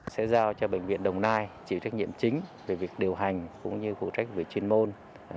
sẽ giao cho bệnh viện đồng nai chịu trách nhiệm chính về việc điều hành cũng như phụ trách về chuyên môn